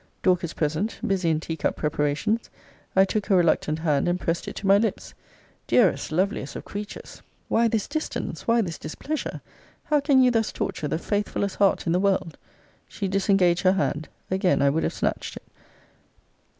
Dorcas present, busy in tea cup preparations. I took her reluctant hand, and pressed it to my lips. Dearest, loveliest of creatures, why this distance? why this displeasure? How can you thus torture the faithfullest heart in the world? She disengaged her hand. Again I would have snatched it.